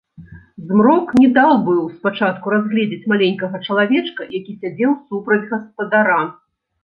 Змрок не даў быў спачатку разгледзець маленькага чалавечка, які сядзеў супраць гаспадара.